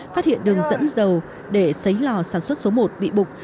phát hiện đường dẫn dầu để xấy lò sản xuất số một bị bục